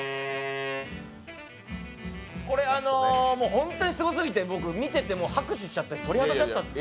本当にすごすぎて、僕、見てて拍手したし、鳥肌立っちゃった。